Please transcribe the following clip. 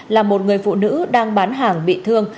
là một người phụ nữ đang bán hàng bị thương